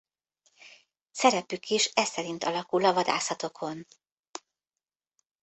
Szerepük is eszerint alakul a vadászatokon.